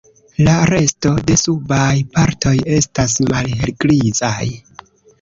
La resto de subaj partoj estas malhelgrizaj.